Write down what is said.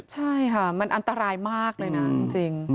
ใช่ค่ะมันอันตรายมากเลยนะจริง